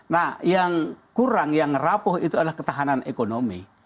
nah yang kurang yang rapuh itu adalah ketahanan ekonomi